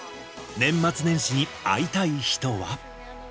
年末年始、会いたい人は。